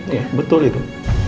iya betul itu